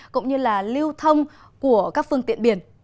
cũng như là lưu thông của các phương tiện biển